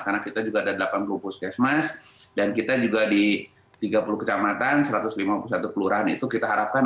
karena kita juga ada delapan puluh puskesmas dan kita juga di tiga puluh kecamatan satu ratus lima puluh satu pelurahan itu kita harapkan